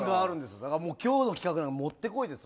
だから今日の企画はもってこいです。